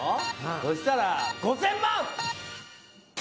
そしたら５０００万！